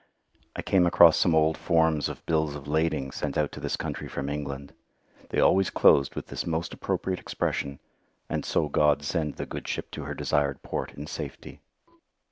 I came across some old forms of bills of lading sent out to this country from England. They always closed with this most appropriate expression, "And so God send the good ship to her desired port in safety."